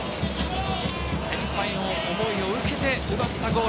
先輩の思いを受けて奪ったゴール。